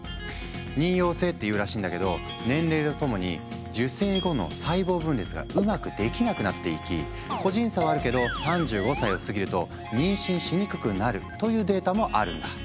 妊よう性っていうらしいんだけど年齢とともに受精後の細胞分裂がうまくできなくなっていき個人差はあるけど３５歳を過ぎると妊娠しにくくなるというデータもあるんだ。